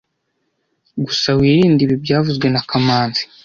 Gusa wirinde ibi byavuzwe na kamanzi